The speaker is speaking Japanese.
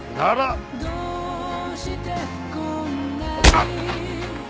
あっ。